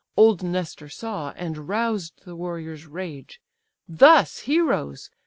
Old Nestor saw, and roused the warrior's rage; "Thus, heroes!